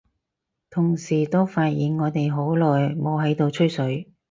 同時都發現我哋好耐冇喺度吹水，